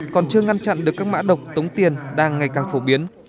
còn chưa ngăn chặn được các mã độc tống tiền đang ngày càng phổ biến